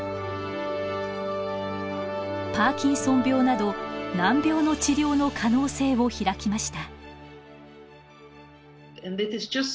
パーキンソン病など難病の治療の可能性を開きました。